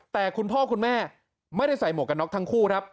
แต่คุณพ่อคุณแม่ไม่ได้ใส่หมวกกันน็อกทั้งคู่ครับ